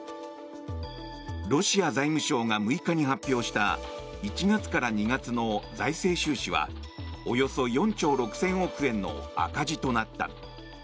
ロシア財務省が６日に発表した１月から２月の財政収支はおよそ４兆６０００億円の赤字となった。